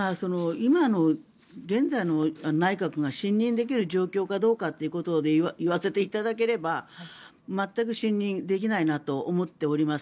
現在の内閣が信任できる状況かどうかということで言わせていただければ全く信任できないなと思っております。